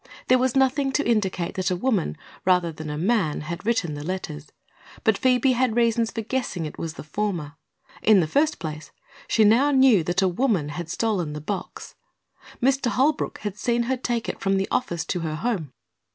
There was nothing to indicate that a woman rather than a man had written the letters, but Phoebe had reasons for guessing it was the former. In the first place, she now knew that a woman had stolen the box. Mr. Holbrook had seen her take it from the office to her home.